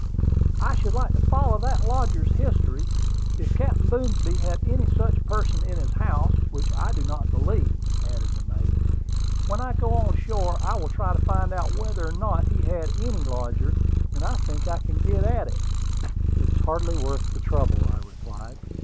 "I should like to follow that lodger's history, if Captain Boomsby had any such person in his house, which I do not believe," added the mate. "When I go on shore I will try to find out whether or not he had any lodger, and I think I can get at it." "It is hardly worth the trouble," I replied.